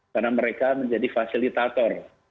karena mereka menjadi fasilitator